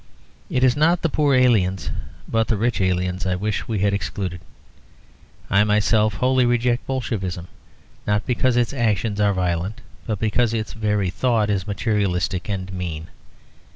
It is not the poor aliens, but the rich aliens I wish we had excluded. I myself wholly reject Bolshevism, not because its actions are violent, but because its very thought is materialistic and mean.